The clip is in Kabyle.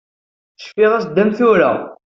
Cfiɣ-as-d am tura.